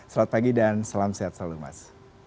selamat pagi dan salam sehat selalu mas